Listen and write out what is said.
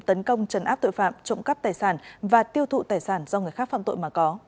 tấn công trấn áp tội phạm trộm cắp tài sản và tiêu thụ tài sản do người khác phạm tội mà có